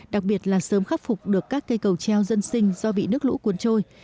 đặc biệt là sớm khắc phục được các cây cầu treo dân sinh do bị nước lũ cuốn trôi